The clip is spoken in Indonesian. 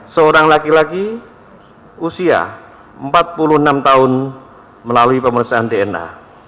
seorang laki laki usia empat puluh enam tahun melalui pemeriksaan dna